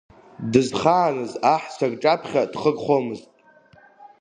Дызхааныз аҳцәа рҿаԥхьа дхырхәомызт.